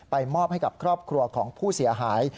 มอบให้กับครอบครัวของผู้เสียหาย